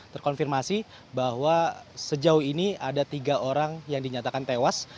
terkonfirmasi bahwa sejauh ini ada tiga orang yang dinyatakan tewas